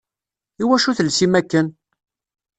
Iwacu telsim akken?